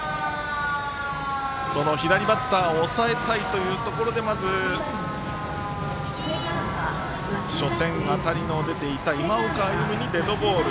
左バッターを抑えたいというところでまず、初戦、当たりの出ていた今岡歩夢にデッドボール。